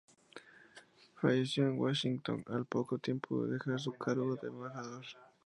Falleció en Washington, al poco tiempo de dejar su cargo de embajador.